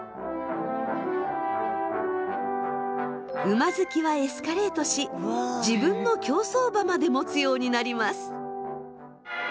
馬好きはエスカレートし自分の競走馬まで持つようになります。